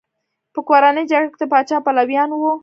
په کورنۍ جګړه کې د پاچا پلویان وو.